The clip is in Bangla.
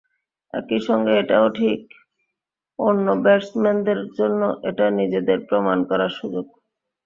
একই সঙ্গে এটাও ঠিক, অন্য ব্যাটসম্যানদের জন্য এটা নিজেদের প্রমাণ করার সুযোগ।